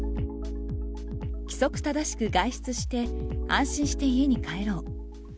規則正しく外出して、安心して家に帰ろう。